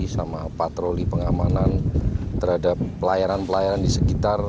sama patroli pengamanan terhadap pelayanan pelayanan di sekitar